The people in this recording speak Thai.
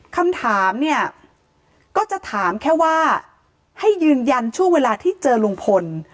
คำถามเนี่ยก็จะถามแค่ว่าให้ยืนยันช่วงเวลาที่เจอลุงพล